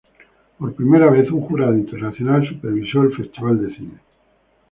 Por primera vez, un jurado internacional supervisó el festival de cine.